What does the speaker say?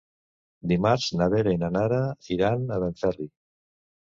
Dimarts na Vera i na Nara iran a Benferri.